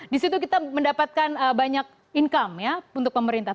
disitu kita mendapatkan banyak income ya untuk pemerintah